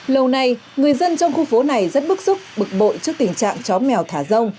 lâu nay người dân trong khu phố này rất bức xúc bực bội trước tình trạng chó mèo thả rông